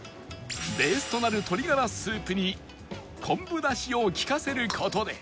ベースとなる鶏ガラスープに昆布出汁を利かせる事で